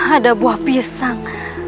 ada buah pisang